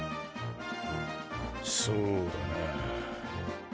そうだな。